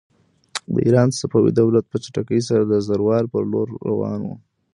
د ایران صفوي دولت په چټکۍ سره د زوال پر لور روان و.